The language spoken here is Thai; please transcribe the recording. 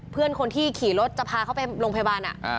เพื่อนคนที่ขี่รถจะพาเขาไปโรงพยาบาล